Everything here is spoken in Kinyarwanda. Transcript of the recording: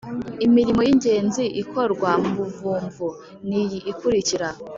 Imirimo y’ingenzi ikorwa mu buvumvu ni iyi ikurikira